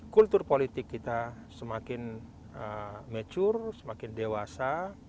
kultur politik kita semakin mature semakin dewasa